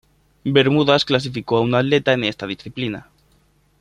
Bermudas clasificó a un atleta en esta disciplina.